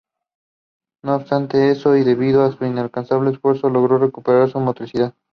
No obstante eso, y debido a su incansable esfuerzo, logró recuperar su motricidad.